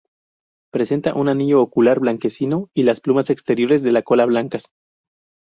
Presenta un anillo ocular blanquecino y las plumas exteriores de la cola blancas.